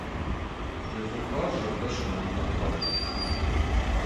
Пехуымпар зӕрдӕ сӕвӕрдта калмӕн.